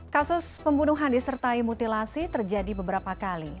kasus pembunuhan disertai mutilasi terjadi beberapa kali